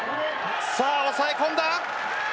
さあ抑え込んだ。